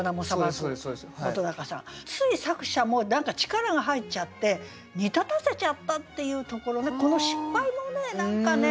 つい作者も何か力が入っちゃって煮立たせちゃったっていうところのこの失敗もね何かね。